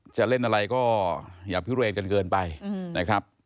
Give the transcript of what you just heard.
จะเล่นอะไรก็อย่าพิเรนกันเกินไปนะครับ